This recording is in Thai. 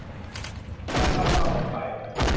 กลับบ้านนอก อดไป